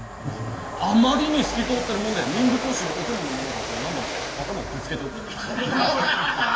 あまりに透き通ってるもんで民部公子のお供の者がこう何度も頭をぶつけておった。